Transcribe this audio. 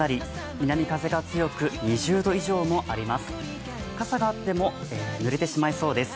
南風が強く、２０度以上もあります。